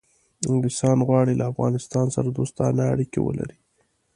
انګلیسان غواړي له افغانستان سره دوستانه اړیکې ولري.